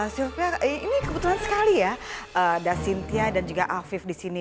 silvia ini kebetulan sekali ya ada cynthia dan juga afif di sini